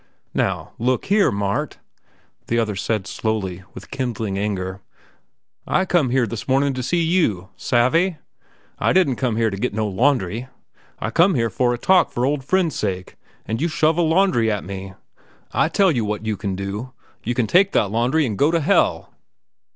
"Now look here, Mart," the other said slowly, with kindling anger, "I come here this mornin' to see you. Savve? I didn't come here to get no laundry. I come here for a talk for old friends' sake, and you shove a laundry at me. I tell you what you can do. You can take that laundry an' go to hell."